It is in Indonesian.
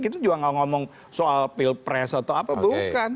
kita juga gak ngomong soal pilpres atau apa bukan